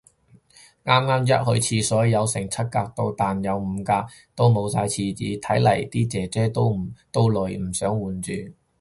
啱啱一去，廁所有成七格到。但有五格，都冇晒廁紙，睇嚟啲姐姐都累，唔想換住